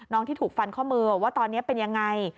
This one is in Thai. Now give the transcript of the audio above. ที่ถูกฟันข้อมือว่าตอนนี้เป็นยังไง